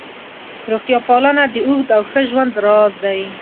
روغتیا پالنه د اوږد او ښه ژوند راز دی.